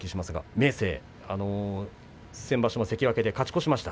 明生、前場所も関脇で勝ち越しました。